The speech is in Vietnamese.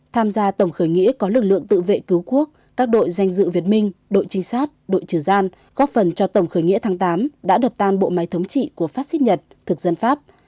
tham gia tổng khởi nghĩa có lực lượng tự vệ cứu quốc các đội danh dự việt minh đội trinh sát đội trừ gian góp phần cho tổng khởi nghĩa tháng tám đã đập tan bộ máy thống trị của phát xít nhật thực dân pháp